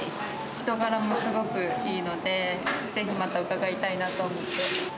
人柄もすごくいいので、ぜひまた伺いたいなと思って。